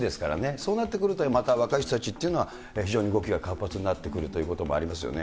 そうなってくるとまた若い人たちというのは非常に動きが活発になってくるということもありますよね。